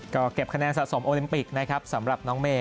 ก็เก็บคะแนนสะสมโอลิมปิกนะครับสำหรับน้องเมย